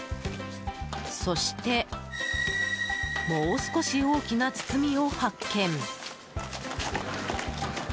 そしてもう少し大きな包みを発見。